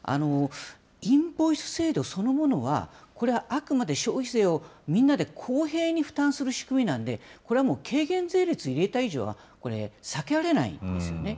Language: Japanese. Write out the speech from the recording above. インボイス制度そのものは、これはあくまで消費税をみんなで公平に負担する仕組みなんで、これはもう軽減税率を入れた以上はこれ、避けられないんですよね。